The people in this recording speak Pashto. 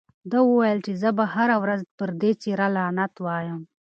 ده وویل چې زه به هره ورځ پر دې څېره لعنت وایم.